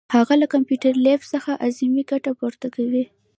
هغه له کمپیوټر لیب څخه اعظمي ګټه پورته کوي.